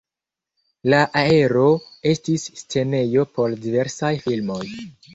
La areo estis scenejo por diversaj filmoj.